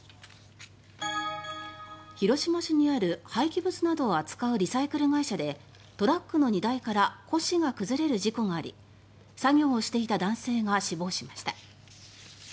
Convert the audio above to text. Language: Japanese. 広島市にある廃棄物などを扱うリサイクル会社でトラックの荷台から古紙が崩れる事故があり作業をしていた男性が死亡しました。